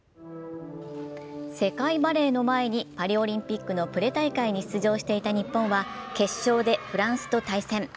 世界バレーの前にパリオリンピックのプレ大会に出場していた日本は決勝でフランスと対戦。